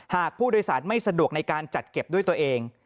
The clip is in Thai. หากผู้โดยสารไม่สะดวกในการจัดเก็บด้วยตัวเอง